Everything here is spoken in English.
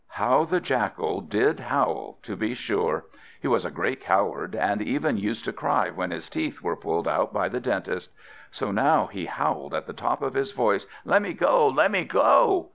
How the Jackal did howl, to be sure! He was a great coward, and even used to cry when his teeth were pulled out by the dentist. So now he howled at the top of his voice, "Let me go! Let me go!"